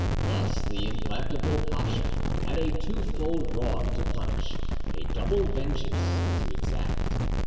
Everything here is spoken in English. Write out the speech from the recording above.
Thus the implacable pacha had a twofold wrong to punish, a double vengeance to exact.